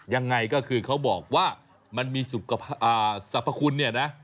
ยังไงก็คือเขาบอกว่ามันมีสรรพคุณเนี่ยนะ